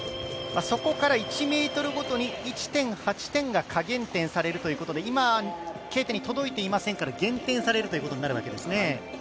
そこから１ｍごとに１．８点が加減点されるということで今Ｋ点に届いていませんから、原点されるということになるんですね。